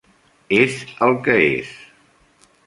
És el que és!